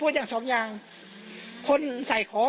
พี่ทีมข่าวของที่รักของ